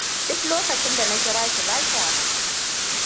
Duk lokacin da na kira ki, ba kya nan.